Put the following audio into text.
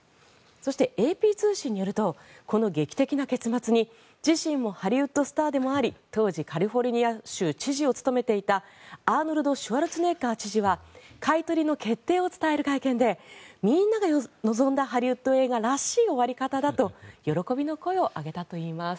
そしてＡＰ通信によるとこの劇的な結末に自身もハリウッドスターでもあり当時カリフォルニア州知事も務めていたアーノルド・シュワルツェネッガー知事は買い取りの決定を伝える会見でみんなが望んだハリウッド映画らしい終わり方だと喜びの声を上げたといいます。